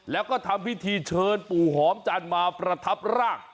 แล้วก็ทำพิธีเชิญปู่หอมจันทร์มาประทับร่าง